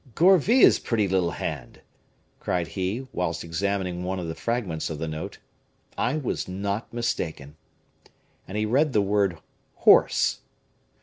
"Gourville's pretty little hand!" cried he, whilst examining one of the fragments of the note; "I was not mistaken." And he read the word "horse."